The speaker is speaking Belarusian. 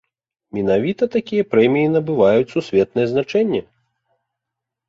Менавіта такія прэміі набываюць сусветнае значэнне.